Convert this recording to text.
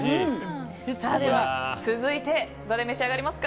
では、続いてどれを召し上がりますか？